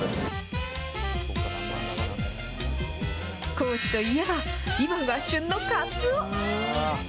高知といえば、今が旬のカツオ。